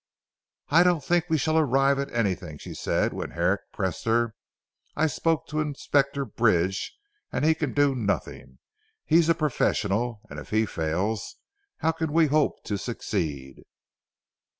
"I don't think we shall arrive at anything," she said when Herrick pressed her. "I spoke to Inspector Bridge and he can do nothing. He is a professional, and if he fails, how can we hope to succeed?"